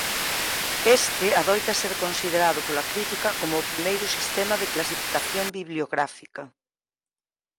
Este adoita ser considerado pola crítica como o «primeiro sistema de clasificación bibliográfica».